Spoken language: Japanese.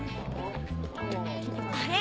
あれ？